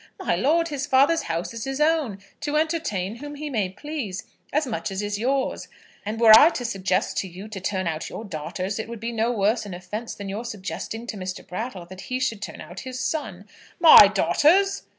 My lord, his father's house is his own, to entertain whom he may please, as much as is yours. And were I to suggest to you to turn out your daughters, it would be no worse an offence than your suggesting to Mr. Brattle that he should turn out his son." "My daughters!"